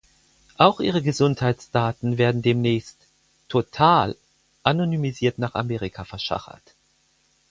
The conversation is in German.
Auch ihre Gesundheitsdaten werden demnächst "total" anonymisiert nach Amerika verschachert.